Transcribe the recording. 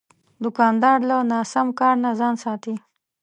دوکاندار له ناسم کار نه ځان ساتي.